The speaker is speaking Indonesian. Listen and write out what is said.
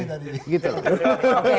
janjianya tidak seperti tadi